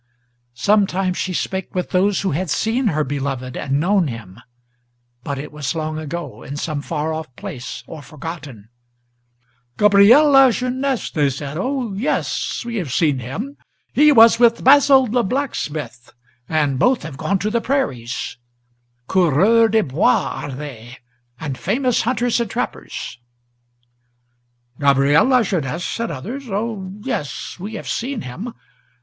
Sometimes she spake with those who had seen her beloved and known him, But it was long ago, in some far off place or forgotten. "Gabriel Lajeunesse!" they said; "O yes! we have seen him. He was with Basil the blacksmith, and both have gone to the prairies; Coureurs des Bois are they, and famous hunters and trappers," "Gabriel Lajeunesse!" said others; "O yes! we have seen him.